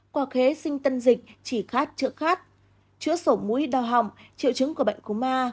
quả khế sinh tân dịch chỉ khát chữa khát chữa sổ mũi đau hỏng triệu chứng của bệnh của ma